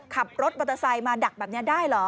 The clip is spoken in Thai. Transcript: ขับรถมัตตาไซน์มาดักแบบนี้ได้หรอ